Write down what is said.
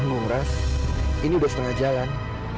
bung ras ini udah setengah jalan